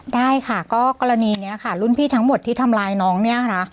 ได้ค่ะก็กรณีนี้ค่ะรุ่นพี่ทั้งหมดที่ทำร้ายน้องเนี่ยค่ะ